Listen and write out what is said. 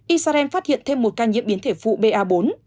israel phát hiện thêm một ca nhiễm biến thể phụ ba bốn